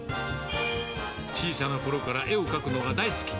小さなころから絵を描くのが大好き。